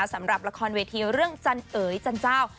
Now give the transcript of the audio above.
สำหรับละครเวทีเรื่องจันเอ๋ยจันเจ้า